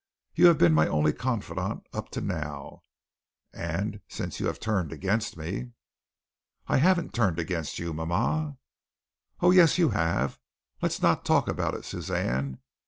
You have been my only confidant up to now, and since you have turned against me " "I haven't turned against you, mama." "Oh, yes you have. Let's not talk about it, Suzanne.